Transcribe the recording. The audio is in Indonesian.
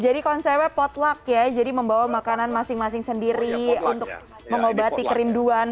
jadi konsepnya potluck ya jadi membawa makanan masing masing sendiri untuk mengobati kerinduan